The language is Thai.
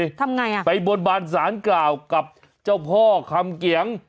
ทำไงอ่ะไปบนบานสารกล่าวกับเจ้าพ่อคำเกียง